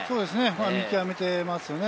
見極めていますよね。